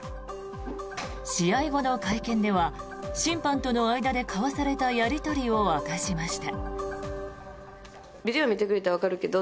試合後の会見では審判との間で交わされたやり取りを明かしました。